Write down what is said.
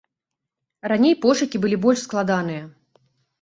Раней пошукі былі больш складаныя.